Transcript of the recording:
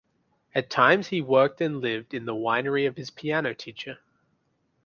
At times he worked and lived in the winery of his piano teacher.